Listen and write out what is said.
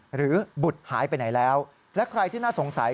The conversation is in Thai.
หรือบุตรหายไปไหนแล้วและใครที่น่าสงสัย